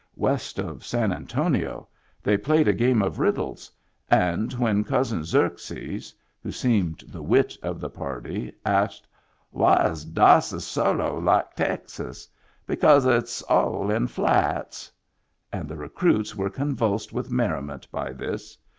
West of San Antonio, they Digitized by VjOOQIC IN THE BACK loi played a game of riddles, and when Cousin Xerxes (who seemed the wit of the party) asked, "Why is Dass's solo like Texas? Because it's all in flats," and the recruits were convulsed with merriment by this.